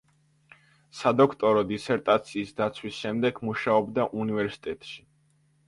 სადოქტორო დისერტაციის დაცვის შემდეგ მუშაობდა უნივერსიტეტში.